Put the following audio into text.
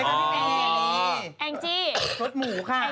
อังจิรสหมูค่ะ